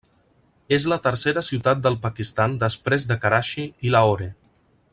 És la tercera ciutat del Pakistan després de Karachi i Lahore.